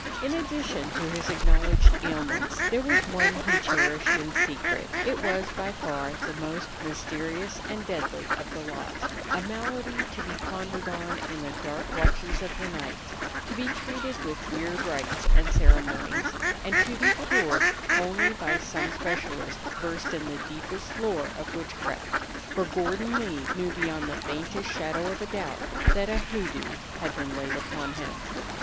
In addition to his acknowledged ailments, there was one he cherished in secret. It was by far the most mysterious and deadly of the lot, a malady to be pondered on in the dark watches of the night, to be treated with weird rites and ceremonies, and to be cured only by some specialist versed in the deepest lore of witchcraft; for Gordon Lee knew beyond the faintest shadow of a doubt that a hoodoo had been laid upon him.